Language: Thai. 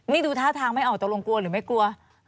นี่ดูท่าทางไม่ออกตกลงกลัวหรือไม่กลัว